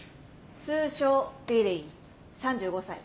通称ビリー３５歳。